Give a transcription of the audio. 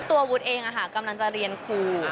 ตัววุฒิเองอ่ะกำลังจะเรียนครู